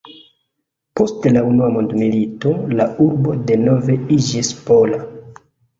Post la Unua Mondmilito la urbo denove iĝis pola.